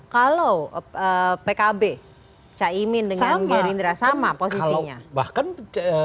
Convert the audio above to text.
kalau pkb cak imin dengan gerindra sama posisinya